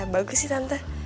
bagus sih tante